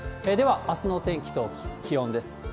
では、あすの天気と気温です。